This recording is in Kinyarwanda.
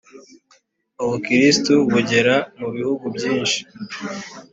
ubukristo bugera mu bihugu byinshi